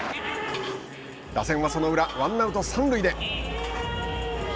打線はその裏ワンアウト、三塁で。